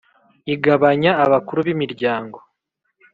igabanya abakuru b’imiryango,